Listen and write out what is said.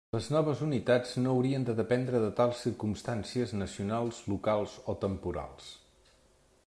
Les noves unitats no haurien de dependre de tals circumstàncies nacionals, locals o temporals.